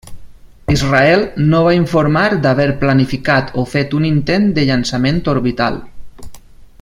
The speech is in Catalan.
Israel no va informar d'haver planificat o fet un intent de llançament orbital.